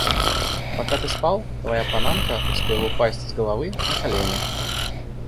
Пока ты спал, твоя панамка успела упасть с головы на колени.